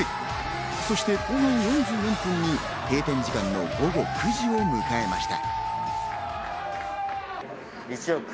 そして後半４４分に、閉店時間の午後９時を迎えました。